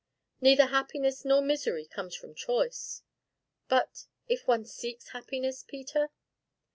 "Neither happiness nor misery comes from choice." "But if one seeks happiness, Peter?"